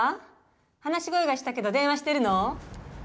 話し声がしたけど電話してるの？